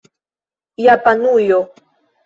japanujo